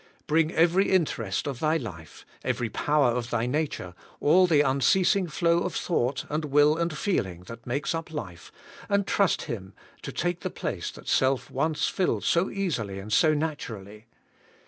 Bring every interest of thy life, every power of thy nature, all the unceasing flow of thought, and will, and feeling, that makes up life, and trust Him to take the place that self once filled so easily and so naturally.